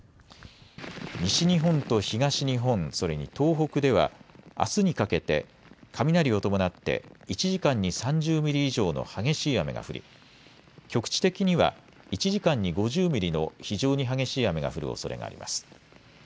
西日本と東日本それに東北ではあすにかけて雷を伴って１時間に３０ミリ以上の激しい雨が降り局地的には１時間に５０ミリの非常に激しい雨が降るおそれがあります。